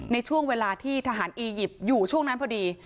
ในช่วงเวลาที่ทหารอียิปต์อยู่ช่วงนั้นพอดี